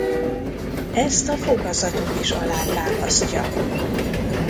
Ezt a fogazatuk is alátámasztja.